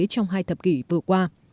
trong hai thập kỷ vừa qua